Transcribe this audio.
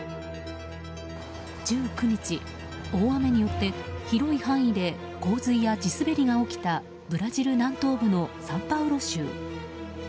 １９日に降った大雨により広い範囲で洪水や地滑りが起きたブラジル南東部のサンパウロ州。